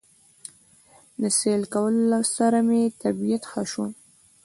د سېل کولو سره مې طبعيت ښه شو